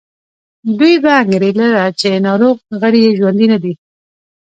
دوی به انګېرله چې ناروغ غړي یې ژوندي نه دي.